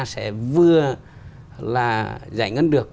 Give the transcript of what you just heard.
sẽ vừa là giải ngân được